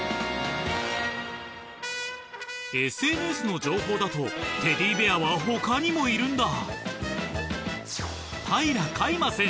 ＳＮＳの情報だとテディベアは他にもいるんだ！